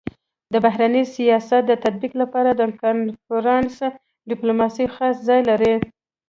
د بهرني سیاست د تطبيق لپاره د کنفرانس ډيپلوماسي خاص ځای لري.